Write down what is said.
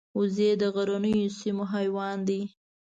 وزې د غرنیو سیمو حیوان دي